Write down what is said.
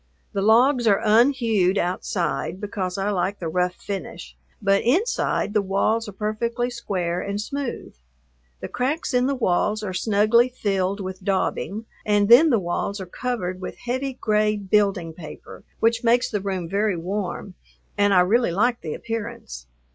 The logs are unhewed outside because I like the rough finish, but inside the walls are perfectly square and smooth. The cracks in the walls are snugly filled with "daubing" and then the walls are covered with heavy gray building paper, which makes the room very warm, and I really like the appearance.